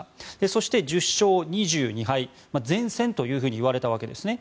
そして、１０勝２２敗善戦というふうに言われたわけですね。